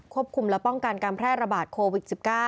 คุมและป้องกันการแพร่ระบาดโควิด๑๙